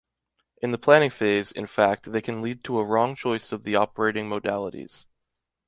In the planning phase, in fact, they can lead to a wrong choice of the operating modalities